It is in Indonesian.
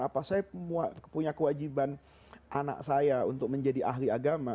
apa saya punya kewajiban anak saya untuk menjadi ahli agama